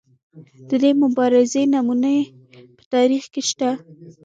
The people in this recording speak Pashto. د دې مبارزې نمونې په تاریخ کې شته.